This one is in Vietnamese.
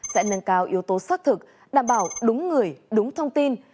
sẽ nâng cao yếu tố xác thực đảm bảo đúng người đúng thông tin